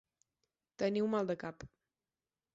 Tenir un maldecap.